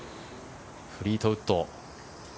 フリートウッド。